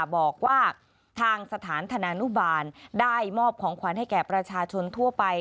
บอกว่าทางสถานธนานุบาลได้มอบของขวัญให้แก่ประชาชนทั่วไป